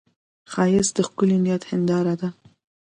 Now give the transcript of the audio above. ښایست د ښکلي نیت هنداره ده